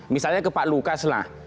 misalnya ke pak lukas lah